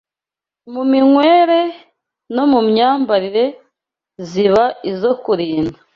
mu minywere, no mu myambarire ziba izo kurinda